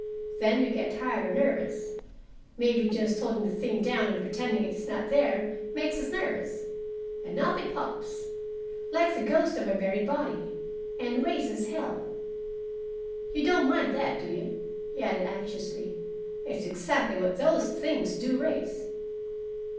Then we get tired or nervous maybe just holding the thing down and pretending it is not there makes us nervous and up it pops, like the ghost of a buried body, and raises hell. You don't mind that, do you?" he added anxiously. "It's exactly what those things do raise."